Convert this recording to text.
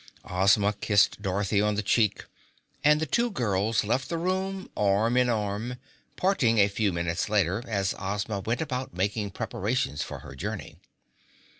Ozma kissed Dorothy on the cheek and the two girls left the room arm in arm, parting a few minutes later as Ozma went about making preparations for her journey.